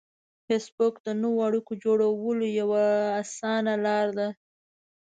فېسبوک د نوو اړیکو جوړولو یوه اسانه لار ده